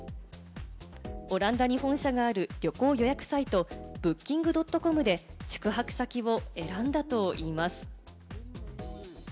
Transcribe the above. オランダに本社がある旅行予約サイト、Ｂｏｏｋｉｎｇ．ｃｏｍで宿泊先を選んだといいます。